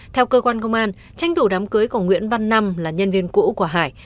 theo cơ quan công an tranh thủ đám cưới của nguyễn văn năm là nhân viên cũ của hải